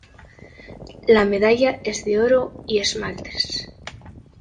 La medalla es de oro y esmaltes.